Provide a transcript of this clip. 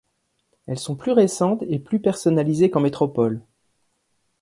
Elles sont plus récentes et plus personnalisées qu'en métropole.